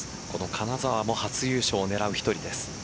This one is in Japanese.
金澤も初優勝を狙う１人です。